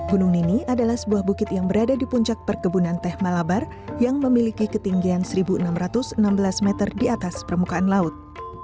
gunung nini adalah sebuah bukit yang berada di puncak perkebunan teh malabar yang memiliki ketinggian seribu enam ratus enam belas meter di atas permukaan laut